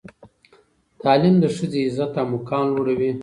تعلیم د ښځې عزت او مقام لوړوي.